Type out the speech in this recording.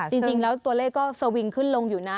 จริงแล้วตัวเลขก็สวิงขึ้นลงอยู่นะ